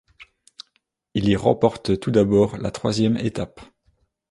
Il y remporte tout d'abord la troisième étape.